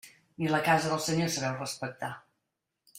Ni la casa del Senyor sabeu respectar.